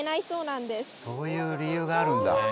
そういう理由があるんだ。